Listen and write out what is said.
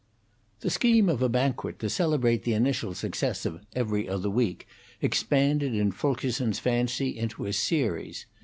The scheme of a banquet to celebrate the initial success of 'Every Other Week' expanded in Fulkerson's fancy into a series.